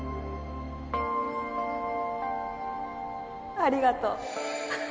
ありがとう